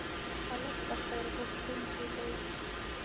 هلک د خیر غوښتونکی دی.